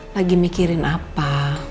lagi mikirin apa